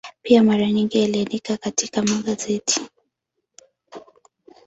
Pia mara nyingi aliandika katika magazeti.